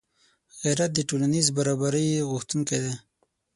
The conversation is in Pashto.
غیرت د ټولنیز برابري غوښتونکی دی